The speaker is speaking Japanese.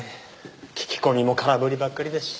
聞き込みも空振りばっかりだし。